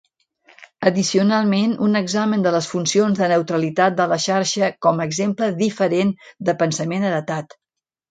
Addicionalment, un examen de les funcions de neutralitat de la xarxa com a exemple diferent de pensament heretat.